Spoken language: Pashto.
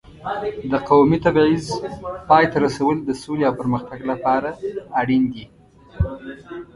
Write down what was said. د قومي تبعیض پای ته رسول د سولې او پرمختګ لپاره اړین دي.